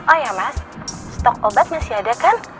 oh ya mas stok obat masih ada kan